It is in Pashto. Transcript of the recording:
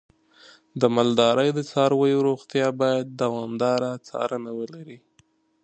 د مالدارۍ د څارویو روغتیا باید دوامداره څارنه ولري.